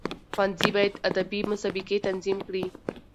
ښوونځي باید ادبي مسابقي تنظیم کړي.